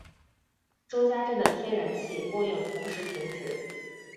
周家镇的天然气供应同时停止。